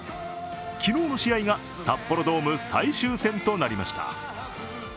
昨日の試合が、札幌ドーム最終戦となりました。